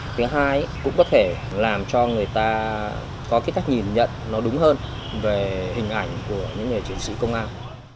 thứ hai cũng có thể làm cho người ta có cái cách nhìn nhận nó đúng hơn về hình ảnh của những người chiến sĩ công an